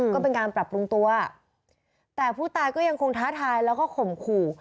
ก็เป็นการปรับปรุงตัวแต่ผู้ตายก็ยังคงท้าทายแล้วก็ข่มขู่